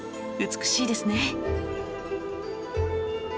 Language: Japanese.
美しいですね